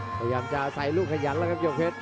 พยายามจะใส่ลูกขยันแล้วครับยกเพชร